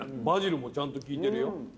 バジルもちゃんと効いてるよ。